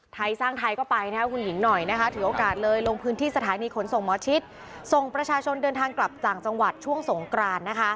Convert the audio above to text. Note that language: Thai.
ไทยสร้างไทยก็ไปนี่ค่ะคุณหิงหน่อยถือโอกาสเลย